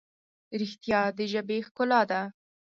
رښتیا د ژبې ښکلا ده.